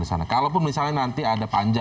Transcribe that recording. di sana kalaupun misalnya nanti ada panja